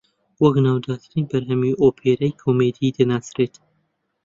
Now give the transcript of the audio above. وەک ناودارترین بەرهەمی ئۆپێرایی کۆمیدی دەناسرێت